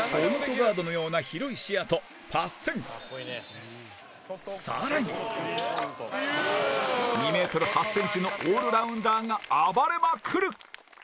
ガードのような広い視野と、パスセンス更に２ｍ８ｃｍの大型オールラウンダーが暴れまくる！